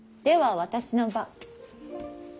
では私の番。